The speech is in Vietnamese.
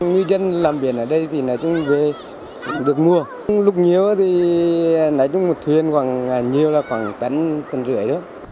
ngư dân làm biển ở đây thì nói chung về được mua lúc nhiều thì nói chung một thuyền khoảng nhiều là khoảng tấn tấn rưỡi thôi